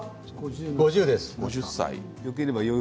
５０です。